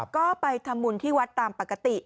ก็ไปทำบุญที่วัดตามปกติ